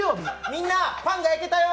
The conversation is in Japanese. みんなパンが焼けたよ！